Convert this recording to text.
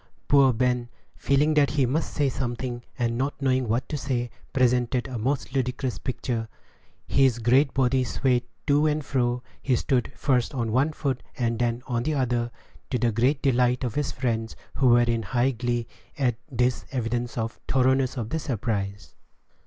Poor Ben, feeling that he must say something, and not knowing what to say, presented a most ludicrous picture. His great body swayed to and fro; he stood first on one foot and then on the other, to the great delight of his friends, who were in high glee at this evidence of the thoroughness of the surprise.